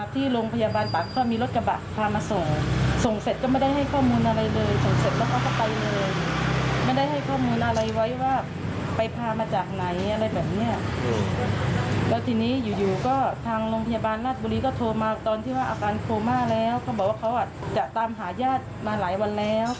ต่อมาตอนนั้นก็ผ่านมา๕วันแล้ว